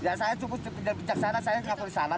ya saya cukup pindah ke sana saya gak boleh ke sana